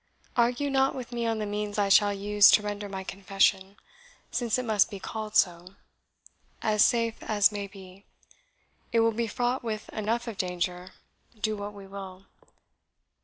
Argue not with me on the means I shall use to render my confession since it must be called so as safe as may be; it will be fraught with enough of danger, do what we will.